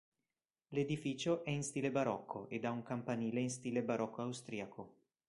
L'edificio è in stile barocco ed ha un campanile in stile barocco austriaco.